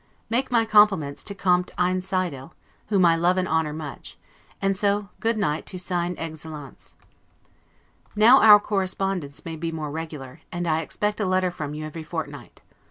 Make my compliments to Comte Einsiedel, whom I love and honor much; and so good night to 'seine Excellentz'. Now our correspondence may be more regular, and I expect a letter from you every fortnight.